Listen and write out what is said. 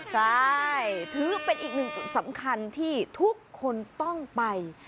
ใช่ถือเป็นอีกหนึ่งจุดสำคัญที่ทุกคนต้องไป